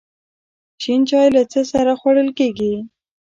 شین چای له څه سره خوړل کیږي؟